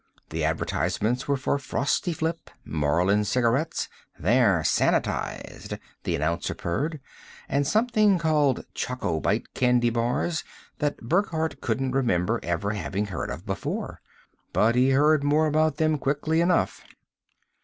The advertisements were for Frosty Flip, Marlin Cigarettes "They're sanitized," the announcer purred and something called Choco Bite candy bars that Burckhardt couldn't remember ever having heard of before. But he heard more about them quickly enough.